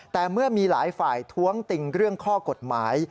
แต่เมื่อมีหลายฝ่ายท้วงติงเรื่องข้อกฎหมาย